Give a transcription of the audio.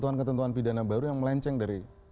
tidak ada ketentuan pidana baru yang melenceng dari